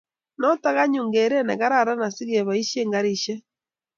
noto konyoru gereet negararan asigeboishe karishek